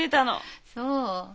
そう。